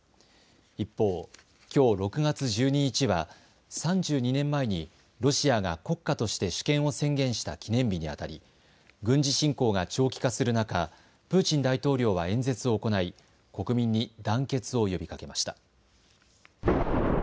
一方、きょう６月１２日は３２年前にロシアが国家として主権を宣言した記念日にあたり軍事侵攻が長期化する中、プーチン大統領は演説を行い国民に団結を呼びかけました。